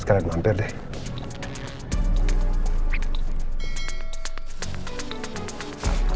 sekalian mampir deh